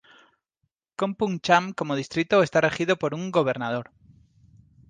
Kompung Cham como distrito está regido por un "gobernador".